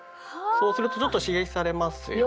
そうするとちょっと刺激されますよね。